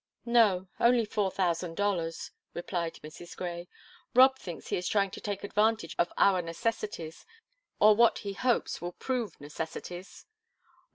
"No; only four thousand dollars," replied Mrs. Grey. "Rob thinks he is trying to take advantage of our necessities, or what he hopes will prove necessities."